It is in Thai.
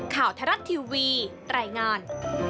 ข่าวทรัฐทีวีแรงงาน